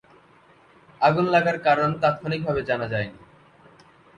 আগুন লাগার কারণ তাৎক্ষণিকভাবে জানা যায়নি।